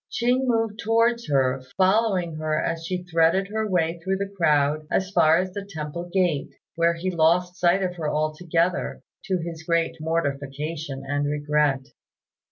Ching moved towards her, following her as she threaded her way through the crowd as far as the temple gate, where he lost sight of her altogether, to his great mortification and regret.